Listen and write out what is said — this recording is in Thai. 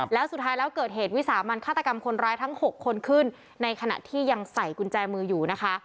แล้วสุดท้ายแล้วเกิดเหตุวิสามันฆาตกรรมคนร้ายทั้ง๖คนขึ้นในขณะที่ยังใส่กุญแจมืออยู่นะคะ